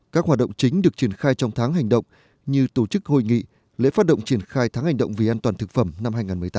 các hoạt động chính được triển khai trong tháng hành động như tổ chức hội nghị lễ phát động triển khai tháng hành động vì an toàn thực phẩm năm hai nghìn một mươi tám